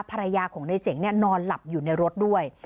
ภรรยาของในเจ๋งนอนหลับอยู่ในรถด้วย